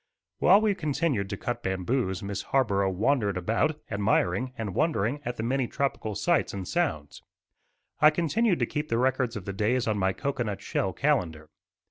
While we continued to cut bamboos Miss Harborough wandered about admiring and wondering at the many tropical sights and sounds. I continued to keep the records of the days on my cocoanut shell calendar.